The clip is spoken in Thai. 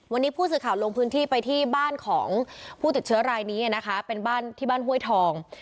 วันนี้ผู้สื่อข่าวลงพื้นที่ไปที่บ้านของผู้ติดเชื้อรายนี้นะคะเป็นบ้านที่บ้านห้วยทอง